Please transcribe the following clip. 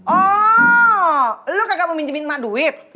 oh lo kagak mau minjemin mah duit